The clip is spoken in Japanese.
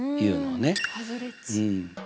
うん。